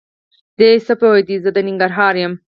دی څه پوهېده زه د ننګرهار یم؟!